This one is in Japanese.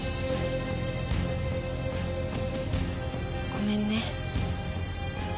ごめんね。